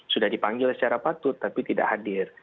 sudah dipanggil secara patut tapi tidak hadir